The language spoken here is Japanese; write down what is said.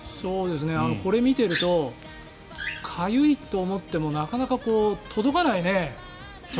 これを見ているとかゆいと思ってもなかなか届かないね。